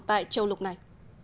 tại châu lục này